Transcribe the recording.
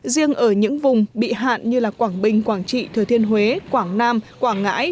riêng ở những vùng bị hạn như quảng bình quảng trị thừa thiên huế quảng nam quảng ngãi